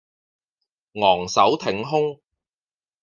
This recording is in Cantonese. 昂首挺胸